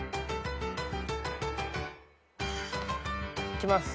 いきます